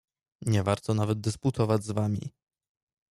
"Nie warto nawet dysputować z wami."